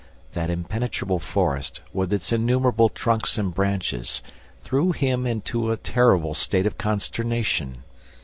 That impenetrable forest, with its innumerable trunks and branches, threw him into a terrible state of consternation.